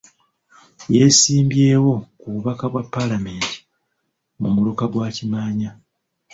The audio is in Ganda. Yeesimbyewo ku bubaka bwa paalamenti mu muluka gwa Kimaanya .